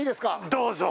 どうぞ。